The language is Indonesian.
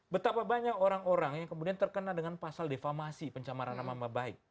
betapa banyak orang orang yang kemudian terkena dengan pasal defamasi pencemaran nama nama baik